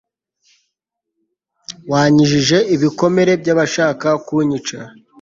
wankijije ibikomere by'abashaka kunyica